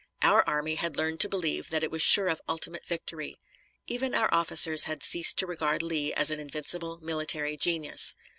Our army had learned to believe that it was sure of ultimate victory. Even our officers had ceased to regard Lee as an invincible military genius.